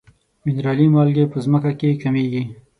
منرالي مالګې په ځمکه کې کمیږي.